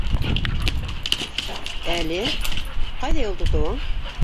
Әле... ҡайҙа юл тотоуың?